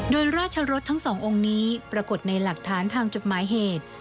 โดยราชรสทั้งสององค์นี้ปรากฏในหลักฐานทางจดหมายเหตุ